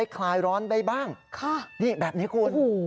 กลัวแล้ว